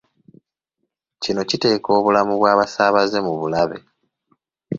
Kino kiteeka obulamu bw'abasaabaze mu bulabe.